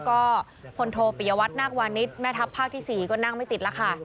ก็พลโทปิยวัตนาควานิสแม่ทัพภาคที่๔ก็นั่งไม่ติดแล้วค่ะ